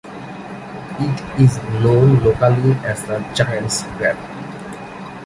It is known locally as "the giants grave".